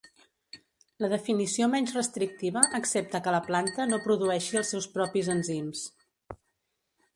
La definició menys restrictiva accepta que la planta no produeixi els seus propis enzims.